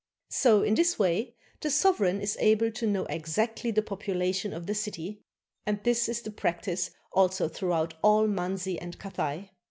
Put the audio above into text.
So in this way the sovereign is able to know exactly the population of the city. And this is the practice also throughout all Manzi and Cathay.